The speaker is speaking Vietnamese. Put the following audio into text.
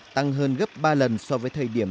tăng hơn gấp ba lần so với thời điểm